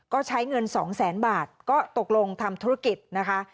ก็ใช้เงินสองแสนบาทก็ตกลงทำธุรกิจนะคะ